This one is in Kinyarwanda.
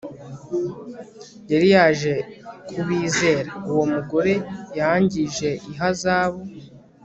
yari yaje kubizera. uwo mugore, yangije ihazabu